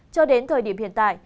cho đến thời điểm hiện tại